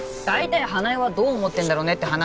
大体花枝はどう思ってんだろうねって